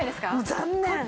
残念。